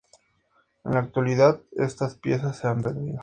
En la actualidad estas piezas se han perdido.